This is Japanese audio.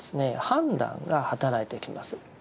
判断が働いてきます。